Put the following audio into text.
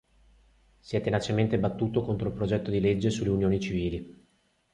Si è tenacemente battuto contro il progetto di legge sulla Unioni Civili.